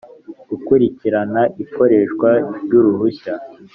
Gukurikirana ikoreshwa ry uruhushya